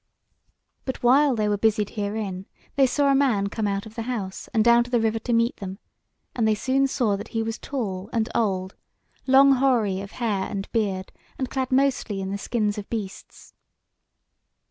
But while they were busied herein they saw a man come out of the house, and down to the river to meet them; and they soon saw that he was tall and old, long hoary of hair and beard, and clad mostly in the skins of beasts.